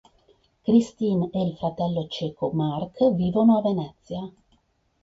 Christine e il fratello cieco Mark vivono a Venezia.